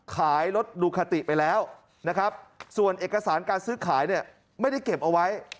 ขายรถดูคาติไปแล้วนะครับส่วนเอกสารการซื้อขายเนี่ยไม่ได้เก็บเอาไว้